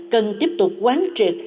cần tiếp tục quán triệt